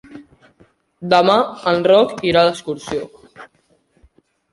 Demà en Roc irà d'excursió.